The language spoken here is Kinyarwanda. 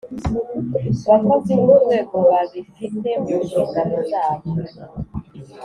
Bakozi B Urwego Babifite Mu Nshingano Zabo